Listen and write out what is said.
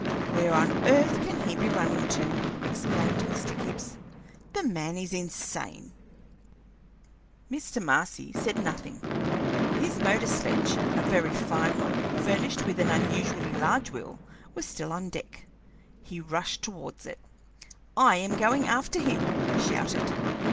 "Where on earth can he be running to?" exclaimed Mr. Gibbs. "The man is insane!" Mr. Marcy said nothing. His motor sledge, a very fine one, furnished with an unusually large wheel, was still on the deck. He rushed towards it. "I am going after him!" he shouted.